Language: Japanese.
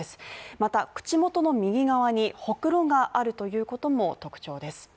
また、口元の右側にほくろがあるということも特徴です。